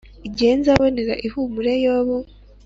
Igihe nzabonera ihumure yobu